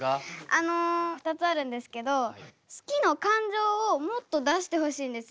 あの２つあるんですけど「好き」の感情をもっと出してほしいんですよ。